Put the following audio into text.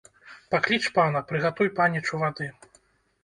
Пакліч пана, прыгатуй панічу вады!